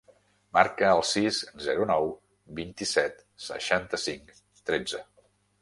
Marca el sis, zero, nou, vint-i-set, seixanta-cinc, tretze.